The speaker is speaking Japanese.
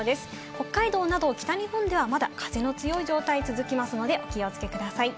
北海道など北日本では、まだ風の強い状態が続きますのでお気をつけください。